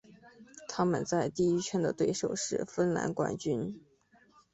他们在第一圈的对手是芬兰冠军。